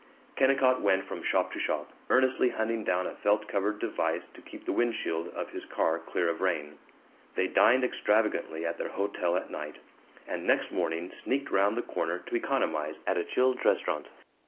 Kennicott went from shop to shop, earnestly hunting down a felt covered device to keep the windshield of his car clear of rain. They dined extravagantly at their hotel at night, and next morning sneaked round the corner to economize at a Childs' Restaurant.